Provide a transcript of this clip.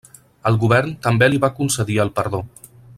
El govern també li va concedir el perdó.